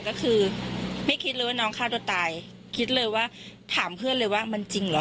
ก็คือไม่คิดเลยว่าน้องฆ่าตัวตายคิดเลยว่าถามเพื่อนเลยว่ามันจริงเหรอ